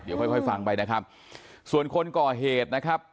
เดี๋ยวค่อยค่อยฟังไปนะครับส่วนคนก่อเหตุนะครับ